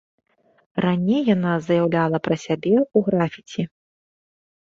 Раней яна заяўляла пра сябе ў графіці.